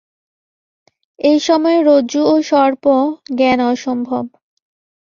এই সময়ে রজ্জু ও সর্প-জ্ঞান অসম্ভব।